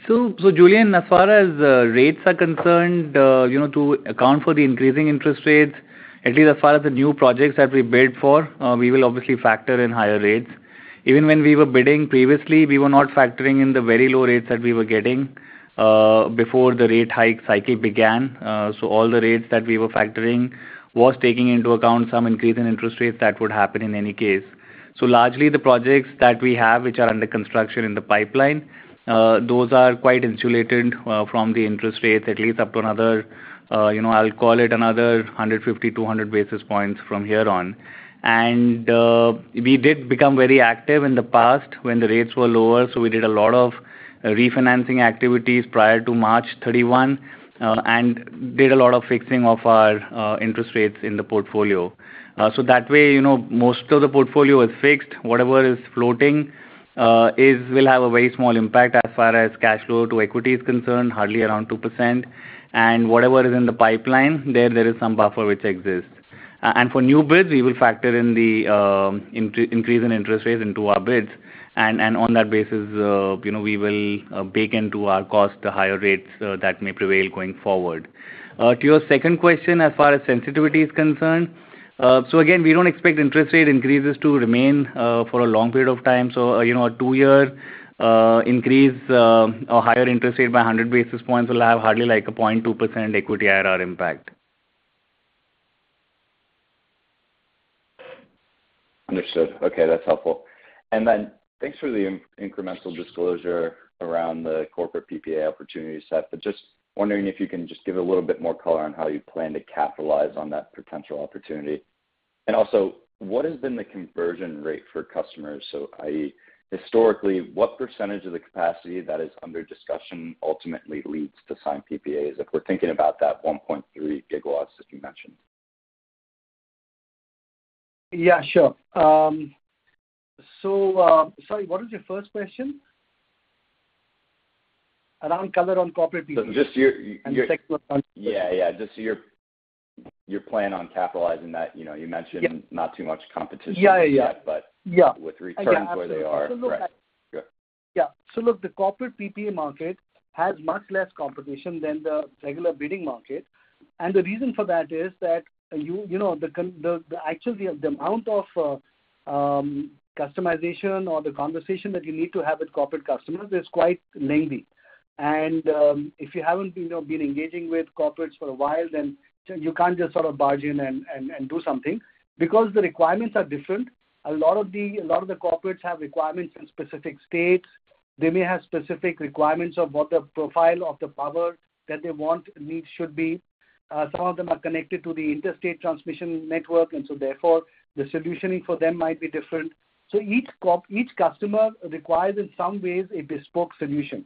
Julien Dumoulin-Smith, as far as rates are concerned, you know, to account for the increasing interest rates, at least as far as the new projects that we bid for, we will obviously factor in higher rates. Even when we were bidding previously, we were not factoring in the very low rates that we were getting, before the rate hike cycle began. All the rates that we were factoring was taking into account some increase in interest rates that would happen in any case. Largely the projects that we have, which are under construction in the pipeline, those are quite insulated, from the interest rates, at least up to another, you know, I'll call it another 150-200 basis points from here on. We did become very active in the past when the rates were lower, so we did a lot of refinancing activities prior to March 31, 2022 and did a lot of fixing of our interest rates in the portfolio. So that way, you know, most of the portfolio is fixed. Whatever is floating will have a very small impact as far as cash flow to equity is concerned, hardly around 2%. Whatever is in the pipeline, there is some buffer which exists.
For new bids, we will factor in the increase in interest rates into our bids. On that basis, you know, we will bake into our cost the higher rates that may prevail going forward. To your second question, as far as sensitivity is concerned, again, we don't expect interest rate increases to remain for a long period of time. You know, a two-year increase or higher interest rate by 100 basis points will have hardly like a 0.2% equity IRR impact.
Understood. Okay, that's helpful. Thanks for the incremental disclosure around the corporate PPA opportunity set, but just wondering if you can just give a little bit more color on how you plan to capitalize on that potential opportunity. What has been the conversion rate for customers? I.e., historically, what percentage of the capacity that is under discussion ultimately leads to signed PPAs, if we're thinking about that 1.3 GW that you mentioned?
Yeah, sure. Sorry, what was your first question? Around color on corporate PPA.
Just your
The second one.
Yeah, yeah. Just your plan on capitalizing that. You know, you mentioned.
Yeah.
Not too much competition yet.
Yeah, yeah.
-but-
Yeah.
with returns where they are.
Yeah. Absolutely.
Right. Good.
Yeah. Look, the corporate PPA market has much less competition than the regular bidding market. The reason for that is that actually, the amount of customization or the conversation that you need to have with corporate customers is quite lengthy. If you haven't been engaging with corporates for a while, you can't just sort of barge in and do something because the requirements are different. A lot of the corporates have requirements in specific states. They may have specific requirements of what the profile of the power that they want, need should be. Some of them are connected to the interstate transmission network, and so therefore, the solutioning for them might be different. Each customer requires, in some ways, a bespoke solution.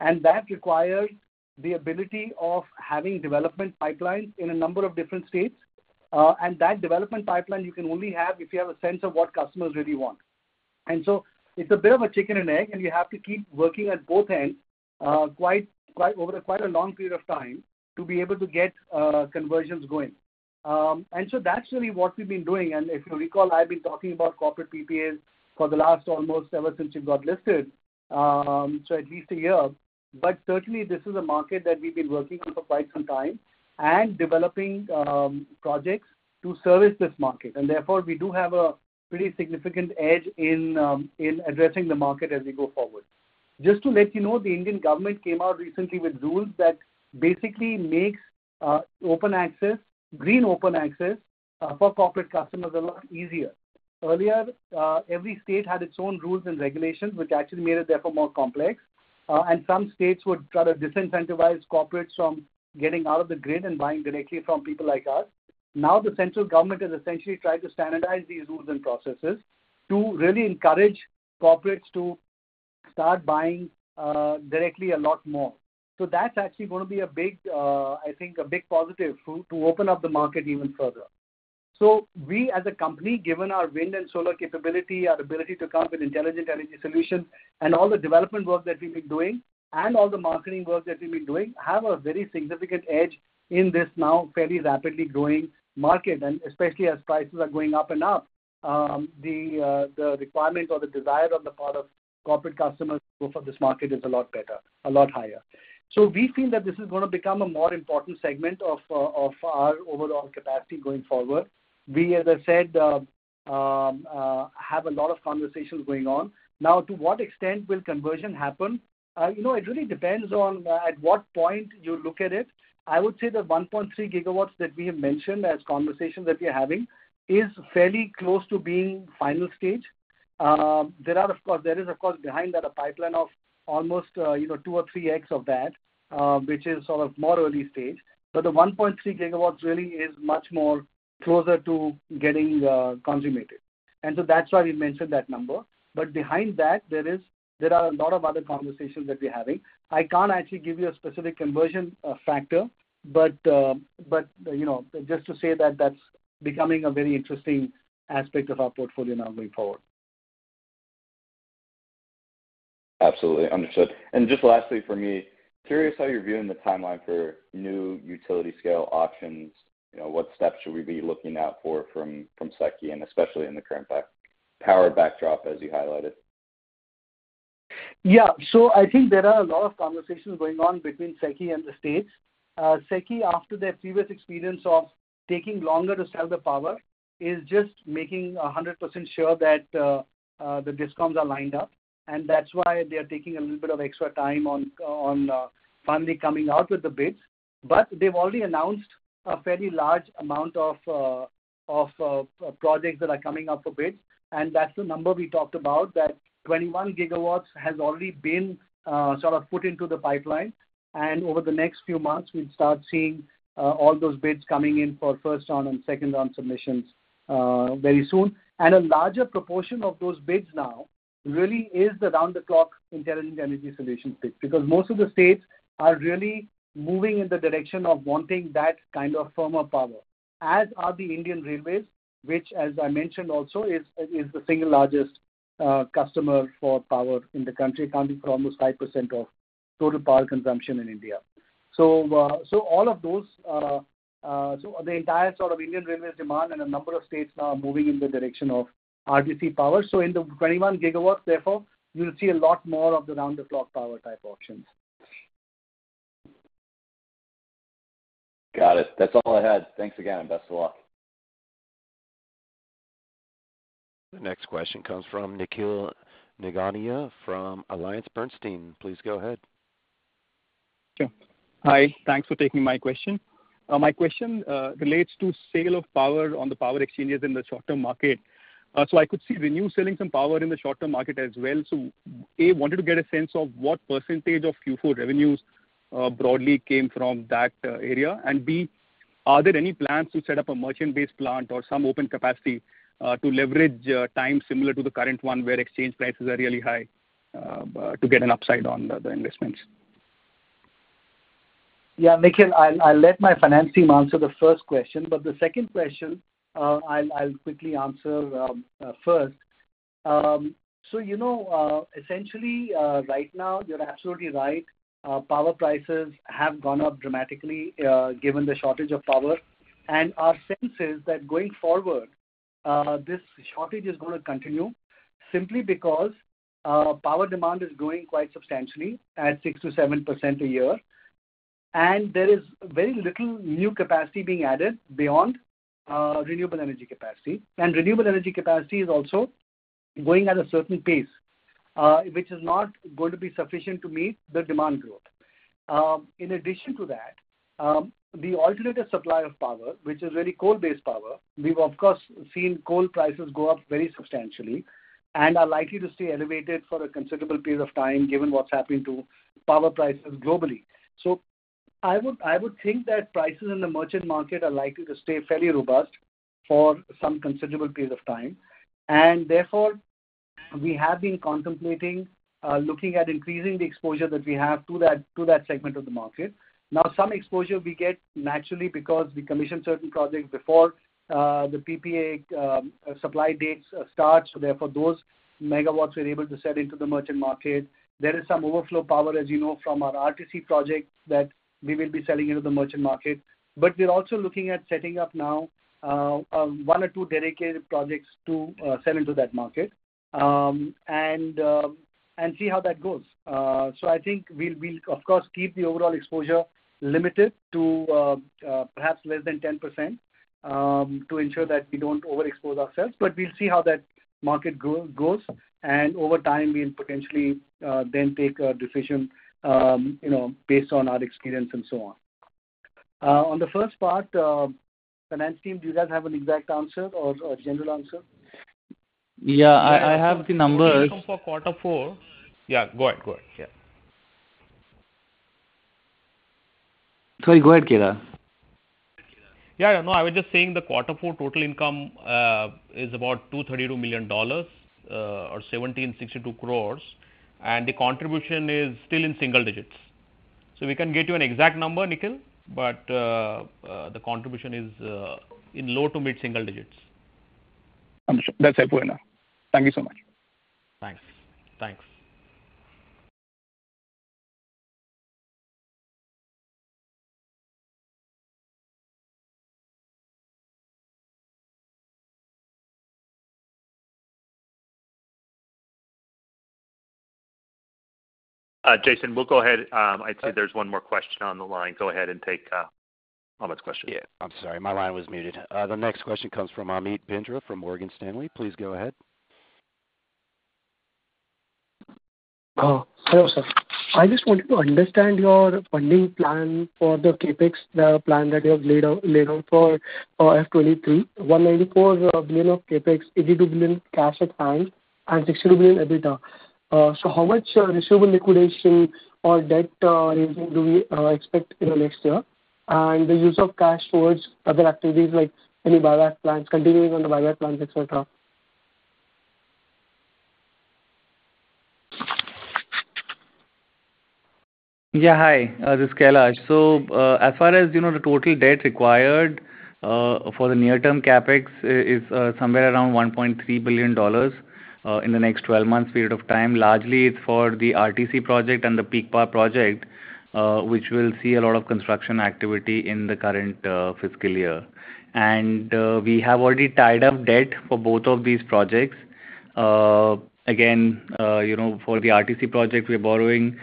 That requires the ability of having development pipelines in a number of different states. That development pipeline you can only have if you have a sense of what customers really want. It's a bit of a chicken and egg, and you have to keep working at both ends, quite over quite a long period of time to be able to get conversions going. That's really what we've been doing. If you recall, I've been talking about corporate PPAs for the last almost ever since we got listed, so at least a year. Certainly, this is a market that we've been working for quite some time and developing projects to service this market. Therefore, we do have a pretty significant edge in addressing the market as we go forward. Just to let you know, the Government of India came out recently with rules that basically makes open access, Green Open Access for corporate customers a lot easier. Earlier, every state had its own rules and regulations, which actually made it therefore more complex. Some states would try to disincentivize corporates from getting out of the grid and buying directly from people like us. Now, the Government of India has essentially tried to standardize these rules and processes to really encourage corporates to start buying directly a lot more. That's actually gonna be a big, I think a big positive to open up the market even further. We, as a company, given our wind and solar capability, our ability to come up with intelligent energy solutions and all the development work that we've been doing and all the marketing work that we've been doing, have a very significant edge in this now fairly rapidly growing market. Especially as prices are going up and up, the requirement or the desire on the part of corporate customers for this market is a lot better, a lot higher. We feel that this is gonna become a more important segment of our overall capacity going forward. We, as I said, have a lot of conversations going on. Now, to what extent will conversion happen? You know, it really depends on at what point you look at it. I would say the 1.3 GW that we have mentioned as conversations that we're having is fairly close to being final stage. There is, of course, behind that, a pipeline of almost, you know, 2x or 3x of that, which is sort of more early stage. The 1.3 GW really is much more closer to getting consummated. That's why we mentioned that number. Behind that, there are a lot of other conversations that we're having. I can't actually give you a specific conversion factor, but you know, just to say that that's becoming a very interesting aspect of our portfolio now going forward.
Absolutely. Understood. Just lastly for me, curious how you're viewing the timeline for new utility-scale auctions. You know, what steps should we be looking out for from SECI, and especially in the current lack-of-power backdrop as you highlighted?
Yeah. I think there are a lot of conversations going on between SECI and the states. SECI, after their previous experience of taking longer to sell the power, is just making 100% sure that the discounts are lined up. That's why they are taking a little bit of extra time on finally coming out with the bids. They've already announced a fairly large amount of projects that are coming up for bids, and that's the number we talked about, that 21 GW has already been sort of put into the pipeline. Over the next few months, we'll start seeing all those bids coming in for first round and second round submissions very soon. A larger proportion of those bids now really is the round the clock intelligent energy solution bids. Because most of the states are really moving in the direction of wanting that kind of firmer power, as are the Indian Railways, which, as I mentioned also, is the single largest customer for power in the country, accounting for almost 5% of total power consumption in India. All of those, the entire sort of Indian Railways demand and a number of states now are moving in the direction of RTC power. In the 21 GW, therefore, you'll see a lot more of the round-the-clock power type auctions.
Got it. That's all I had. Thanks again, and best of luck.
The next question comes from Nikhil Nigania from AllianceBernstein. Please go ahead.
Sure. Hi. Thanks for taking my question. My question relates to sale of power on the power exchanges in the short-term market. I could see ReNew selling some power in the short-term market as well. A, wanted to get a sense of what percentage of Q4 revenues broadly came from that area. B, are there any plans to set up a merchant-based plant or some open capacity to leverage times similar to the current one where exchange prices are really high to get an upside on the investments?
Yeah, Nikhil. I'll let my finance team answer the first question, but the second question, I'll quickly answer first. So, you know, essentially, right now, you're absolutely right. Power prices have gone up dramatically, given the shortage of power. Our sense is that going forward, this shortage is gonna continue simply because power demand is growing quite substantially at 6%-7% a year, and there is very little new capacity being added beyond renewable energy capacity. Renewable energy capacity is also growing at a certain pace, which is not going to be sufficient to meet the demand growth. In addition to that, the alternative supply of power, which is really coal-based power, we've of course seen coal prices go up very substantially and are likely to stay elevated for a considerable period of time given what's happening to power prices globally. I would think that prices in the merchant market are likely to stay fairly robust for some considerable period of time. Therefore, we have been contemplating looking at increasing the exposure that we have to that segment of the market. Now, some exposure we get naturally because we commission certain projects before the PPA supply dates start, so therefore, those megawatts we're able to sell into the merchant market. There is some overflow power, as you know, from our RTC project that we will be selling into the merchant market. We're also looking at setting up now, one or two dedicated projects to sell into that market, and see how that goes. I think we'll of course keep the overall exposure limited to perhaps less than 10%, to ensure that we don't overexpose ourselves. We'll see how that market goes, and over time, we'll potentially then take a decision, you know, based on our experience and so on. On the first part, finance team, do you guys have an exact answer or general answer?
Yeah, I have the numbers. Total income for quarter four.
Sorry, go ahead, Kedar.
Yeah, yeah. No, I was just saying the quarter four total income is about $232 million or 1,762 crore, and the contribution is still in single digits. We can get you an exact number, Nikhil, but the contribution is in low to mid-single digits.
I'm sure. That's helpful enough. Thank you so much.
Thanks. Thanks.
Jason, we'll go ahead. I see there's one more question on the line. Go ahead and take Amit's question.
Yeah. I'm sorry. My line was muted. The next question comes from Amit Bhinde from Morgan Stanley. Please go ahead.
Hello, sir. I just wanted to understand your funding plan for the CapEx, the plan that you have laid out for FY 23. 194 billion of CapEx, 82 billion cash at hand, and 60 billion EBITDA. How much receivable liquidation or debt raising do we expect in the next year? The use of cash towards other activities like any buyback plans, continuing on the buyback plans, et cetera.
Yeah. Hi, this is Kailash. As far as you know, the total debt required for the near-term CapEx is somewhere around $1.3 billion in the next 12 months period of time. Largely it's for the RTC project and the peak power project, which will see a lot of construction activity in the current fiscal year. We have already tied up debt for both of these projects. Again, you know, for the RTC project, we're borrowing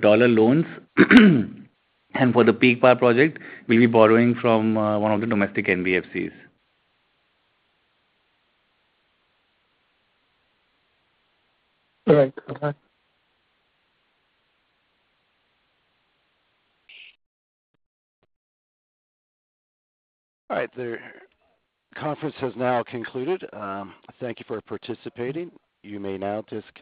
dollar loans. For the peak power project, we'll be borrowing from one of the domestic NBFCs.
All right. Okay.
All right. The conference has now concluded. Thank you for participating. You may now disconnect.